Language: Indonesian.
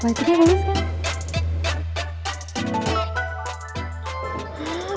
tuh latihnya bagus kan